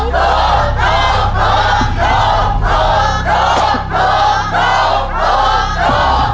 โกะโกะโกะ